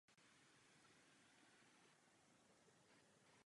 Ráda bych zdůraznila tři věci.